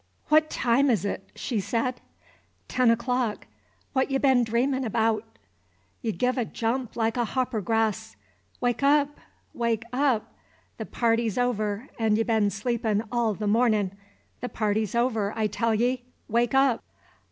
"What time is 't?" she said. "Ten o'clock. What y' been dreamin' abaout? Y' giv a jump like a hopper grass. Wake up, wake UP! Th' party 's over, and y' been asleep all the mornin'. The party's over, I tell ye! Wake up!"